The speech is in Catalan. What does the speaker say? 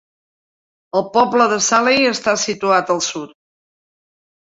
El poble de Salley està situat al sud.